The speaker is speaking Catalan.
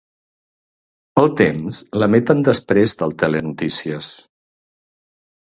El Temps l'emeten després del Telenotícies.